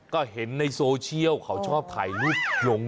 ก็เห็นในโซเชียลเขาชอบถ่ายรูปลง